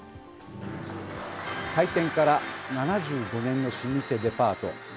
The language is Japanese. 開店から７５年の老舗デパート。